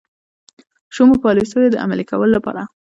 شومو پالیسیو د عملي کولو لپاره.